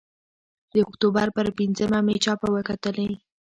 د اکتوبر پر پینځمه مې چاپه وکتلې.